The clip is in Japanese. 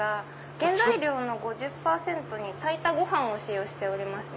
原材料の５０％に炊いたご飯を使用しております。